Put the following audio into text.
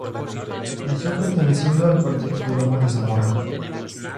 Nació perteneciendo al partido de Lomas de Zamora.